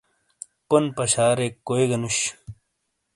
پون پَشاریک کوئی گا نُش۔